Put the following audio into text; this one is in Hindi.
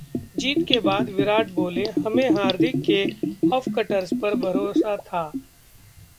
जीत के बाद विराट बोले- हमें हार्दिक के ऑफ कटर्स पर भरोसा था